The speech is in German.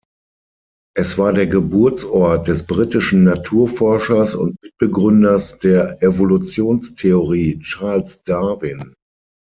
Es war der Geburtsort des britischen Naturforschers und Mitbegründers der Evolutionstheorie Charles Darwin.